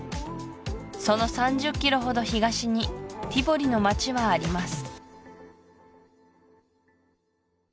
その３０ｋｍほど東にティヴォリの街はあります